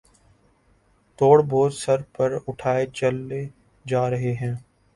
توڑ بوجھ سر پر اٹھائے چلے جا رہے ہیں